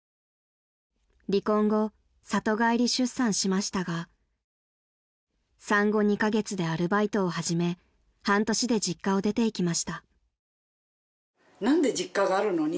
［離婚後里帰り出産しましたが産後２カ月でアルバイトを始め半年で実家を出ていきました］